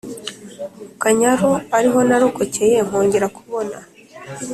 mukanyaru ariho narokokeye nkogera kubona